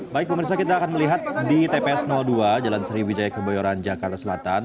baik pemerintah kita akan melihat di tps dua jalan seri wijaya kebayoran jakarta selatan